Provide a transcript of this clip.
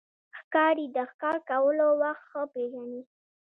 ښکاري د ښکار کولو وخت ښه پېژني.